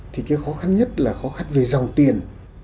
thì cái khó khăn nhất là khó khăn về dòng tiền